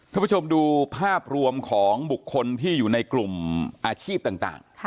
ผู้ชมดูภาพรวมของบุคคลที่อยู่ในกลุ่มอาชีพต่าง